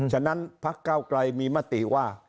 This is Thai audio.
ฉะนั้นพักเก้าไกลมีมติว่า